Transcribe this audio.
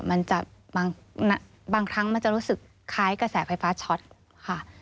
มันจะบางครั้งมันจะรู้สึกคล้ายกระแสไฟฟ้าช็อตค่ะ